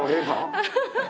アハハハ！